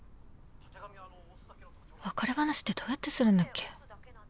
別れ話ってどうやってするんだっけ？